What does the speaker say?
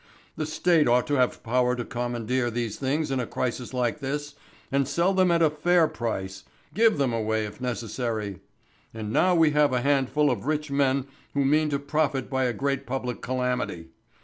The State ought to have power to commandeer these things in a crisis like this, and sell them at a fair price give them away if necessary. And now we have a handful of rich men who mean to profit by a great public calamity.